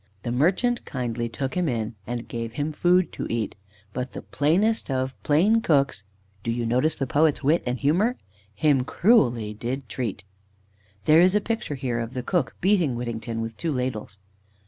The Merchant kindly took him in, And gave him food to eat, But the plainest of plain cooks" (Do you notice the poet's wit and humour?) "Him cruelly did treat." (There is a picture here of the Cook beating Whittington with two ladles.)